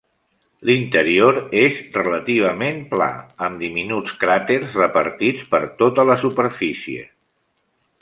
L'interior és relativament pla, amb diminuts cràters repartits per tota la superfície.